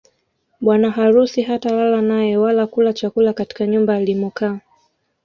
Bwana harusi hatalala naye wala kula chakula katika nyumba alimokaa